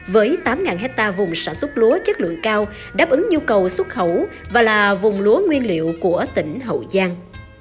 với tám hectare vùng sản xuất lúa chất lượng cao đáp ứng nhu cầu xuất khẩu và là vùng lúa nguyên liệu của tỉnh hậu giang